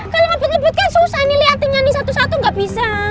kalau ngebut ngebut kan susah nih liatinnya nih satu satu gak bisa